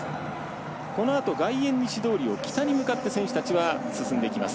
このあと外苑西通りを北に向かって選手たちは進んでいきます。